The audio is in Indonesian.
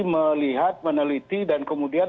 melihat meneliti dan kemudian